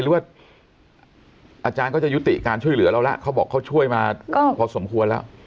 หรือว่าอาจารย์ก็จะยุติการช่วยเหลือเราแล้วเขาบอกเขาช่วยมาพอสมควรแล้ว